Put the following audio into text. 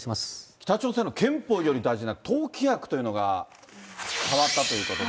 北朝鮮の憲法より大事な党規約というのが変わったということで。